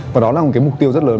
và đó là một cái mục tiêu rất lớn